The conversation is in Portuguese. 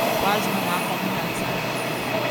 Quase não há como realizar nada